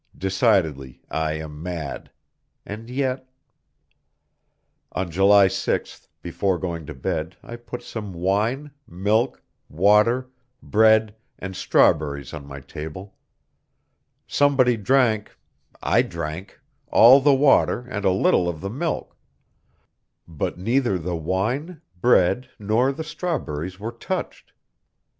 Decidedly I am mad! And yet! On July 6th, before going to bed, I put some wine, milk, water, bread and strawberries on my table. Somebody drank I drank all the water and a little of the milk, but neither the wine, bread nor the strawberries were touched.